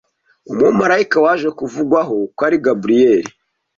umumarayika waje kuvugwaho ko ari Gaburiyeli,